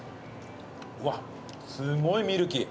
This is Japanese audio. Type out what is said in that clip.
うわすごいミルキー。